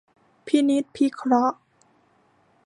พินิจพิเคราะห์